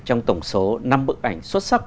trong tổng số năm bức ảnh xuất sắc